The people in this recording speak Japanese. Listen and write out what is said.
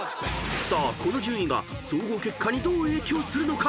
［さあこの順位が総合結果にどう影響するのか］